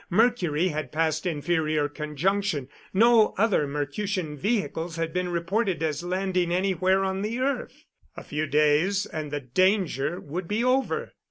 Mercury had passed inferior conjunction; no other Mercutian vehicles had been reported as landing anywhere on the earth. A few days, and the danger would be over.